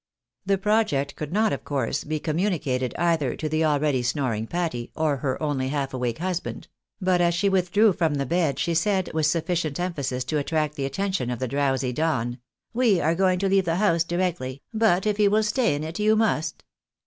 The project could not, of course, be communicated either to the already snoring Patty, or her only half awake husband ; but, as she withdrew from the bed, she said, with sufficient emphasis to attract the attention of the drowsy Don— " We are going to leave the house directly — ^but if you will stay in it you must."